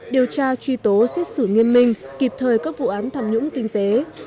điều tra truy tố xét xử nghiêm minh kịp thời các vụ án tham nhũng kinh tế